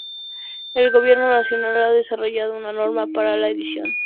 El gobierno nacional ha desarrollado una norma para la edición de las publicaciones oficiales.